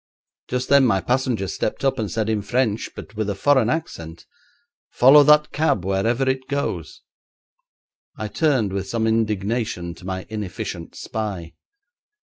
Just then my passenger stepped up and said in French, but with a foreign accent: "Follow that cab wherever it goes."' I turned with some indignation to my inefficient spy.